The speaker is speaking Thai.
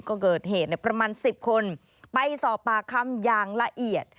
ก็เกิดเหตุประมาณ๑๐คนไปสอบปากคำอย่างละเอียด